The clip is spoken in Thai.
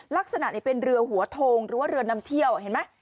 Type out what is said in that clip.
ลักษณะเป็นเรือหัวโทงหรือว่าเรือนำเที่ยวเห็นไหม